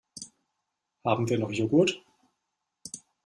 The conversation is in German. Haben wir noch Joghurt?